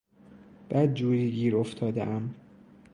بدجوری گیر افتادهام.